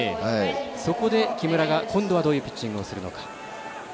そこで木村が今度はどういうピッチングをするのか。